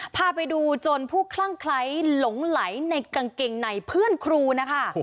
พาไปดูจนผู้คลั่งไคร้หลงไหลในกางเกงในเพื่อนครูนะคะ